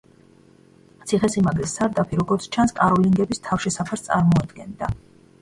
ციხესიმაგრის სარდაფი, როგორც ჩანს, კაროლინგების თავშესაფარს წარმოადგენდა.